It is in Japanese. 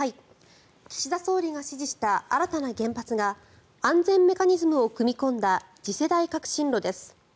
岸田総理が指示した新たな原発が安全メカニズムを組み込んだ次世代革新炉です。